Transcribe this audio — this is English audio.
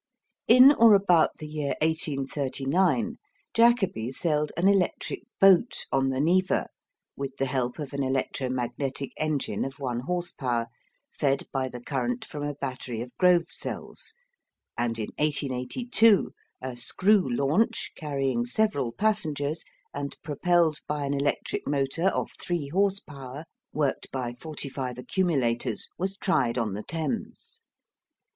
In or about the year 1839, Jacobi sailed an electric boat on the Neva, with the help of an electromagnetic engine of one horse power, fed by the current from a battery of Grove cells, and in 1882 a screw launch, carrying several passengers, and propelled by an electric motor of three horse power, worked by forty five accumulators, was tried on the Thames.